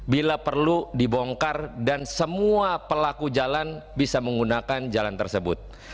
bila perlu dibongkar dan semua pelaku jalan bisa menggunakan jalan tersebut